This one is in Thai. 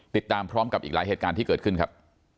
ติดตามพร้อมกับอีกหลายเหตุการณ์ที่เกิดขึ้นครับ